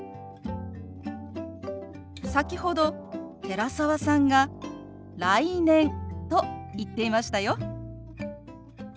先ほど寺澤さんが「来年」と言っていましたよ。